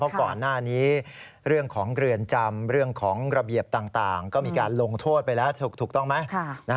เพราะก่อนหน้านี้เรื่องของเรือนจำเรื่องของระเบียบต่างก็มีการลงโทษไปแล้วถูกต้องไหม